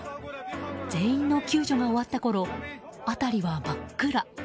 全員の救助が終わったころ辺りは真っ暗。